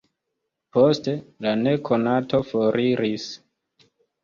Poste, la nekonato foriris.